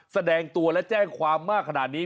แสดงตัวและแจ้งความมากขนาดนี้